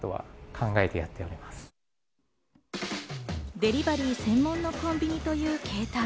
デリバリー専門コンビニという形態。